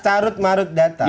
carut marut data